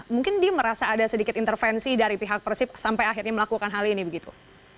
mungkin dia merasa ada sedikit intervensi dari pihak persib sampai akhirnya melakukan hal ini begitu